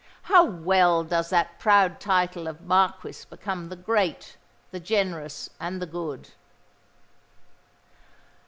—how well does that proud title of Marquis become the great, the generous, and the good!"